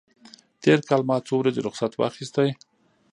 تېر کال ما څو ورځې رخصت واخیست.